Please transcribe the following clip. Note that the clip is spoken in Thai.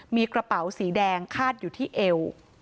มีกระเป๋าสีแดงคาดอยู่ที่เอว